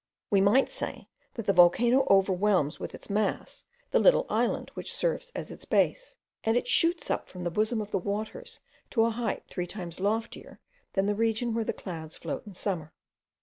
We might say, that the volcano overwhelms with its mass the little island which serves as its base, and it shoots up from the bosom of the waters to a height three times loftier than the region where the clouds float in summer.